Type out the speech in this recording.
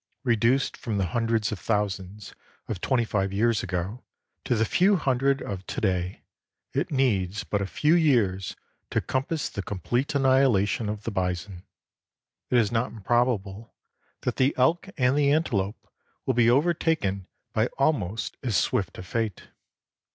Reduced from the hundreds of thousands of twenty five years ago to the few hundred of to day, it needs but a few years to compass the complete annihilation of the bison. It is not improbable that the elk and the antelope will be overtaken by almost as swift a fate.